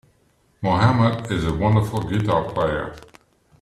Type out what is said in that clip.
Mohammed is a wonderful guitar player.